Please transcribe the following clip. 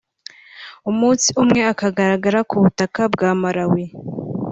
umunsi umwe akagaragara ku butaka bwa Malawi